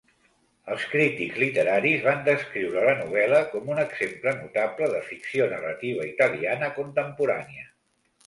Els crítics literaris van descriure la novel·la com un exemple notable de ficció narrativa italiana contemporània.